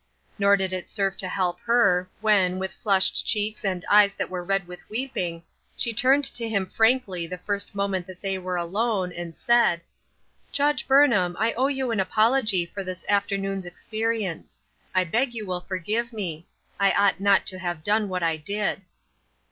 Nor did it serve to help her, when, with flushed cheeks and eves that were red with weeping, she turned to him frankly the first moment that they were alone, and said, " Judge Burnham, I owe you an apology for this afternoon's experience ; I beg you will for give me ; I ought not to have done what I did."